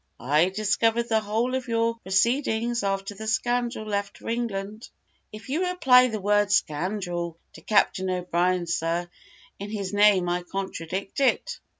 I discovered the whole of your proceedings, after the scoundrel left for England." "If you apply the word scoundrel to Captain O'Brien, sir, in his name I contradict it."